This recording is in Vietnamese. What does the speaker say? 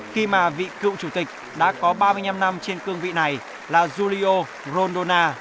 khi mà vị cựu chủ tịch đã có ba mươi năm năm trên cương vị này là julio rondona